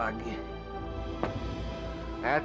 ayah capek mikirin perahu itu